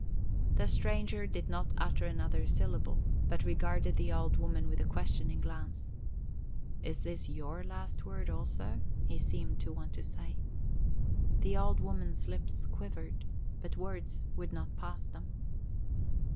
The stranger did not utter another syllable, but regarded the old woman with a questioning glance. Is this your last word also? he seemed to want to say. The old woman's lips quivered, but words would not pass them.